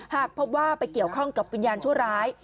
หากพบว่าไปเกี่ยวข้องกับวิญญาณชั่วร้าย